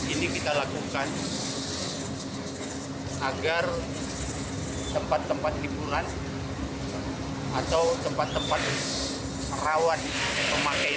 ini kita lakukan agar tempat tempat hiburan atau tempat tempat rawan pemakaian